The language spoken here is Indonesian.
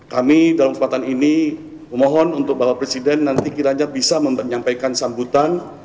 kami dalam kesempatan ini memohon untuk bapak presiden nanti kiranya bisa menyampaikan sambutan